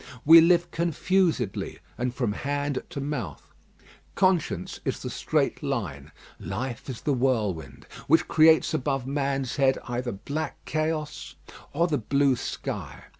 We live confusedly, and from hand to mouth. Conscience is the straight line, life is the whirlwind, which creates above man's head either black chaos or the blue sky.